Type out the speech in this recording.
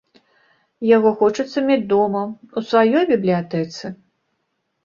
Яго хочацца мець дома, у сваёй бібліятэцы.